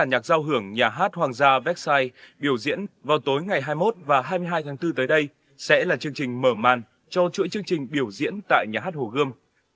hòa nhạc giao hưởng nhà hát hoàng gia vecsai biểu diễn vào tối ngày hai mươi một và hai mươi hai tháng bốn tới đây sẽ là chương trình mở màn cho chuỗi chương trình biểu diễn tại nhà hát hồ gươm